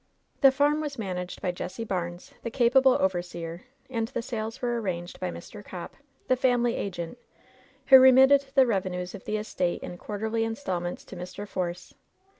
The farm was managed by Jesse Barnes, the capable overseer, and the sales were arranged by Mr. Copp, the family agent, who remitted the revenues of the estate in quarterly installments to Mr. Force.